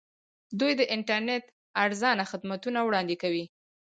دوی د انټرنیټ ارزانه خدمتونه وړاندې کوي.